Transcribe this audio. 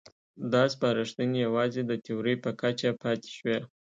دا سپارښتنې یوازې د تیورۍ په کچه پاتې شوې.